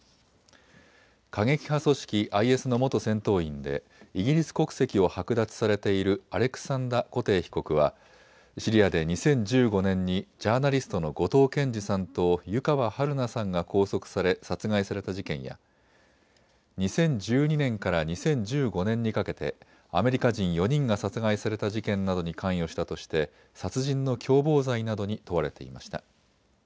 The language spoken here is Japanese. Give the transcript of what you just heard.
過激派組織ＩＳの元戦闘員でイギリス国籍を剥奪されているアレクサンダ・コテー被告はシリアで２０１５年にジャーナリストの後藤健二さんと湯川遥菜さんが拘束され殺害された事件や２０１２年から２０１５年にかけてアメリカ人４人が殺害された事件などに関与したとして殺人の共謀罪などに問われていました。